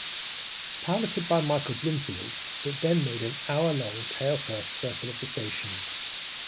Piloted by Michael Bloomfield, it then made an hour-long, tail-first circle of the station.